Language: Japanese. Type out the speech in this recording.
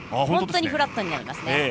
本当にフラットになりますね。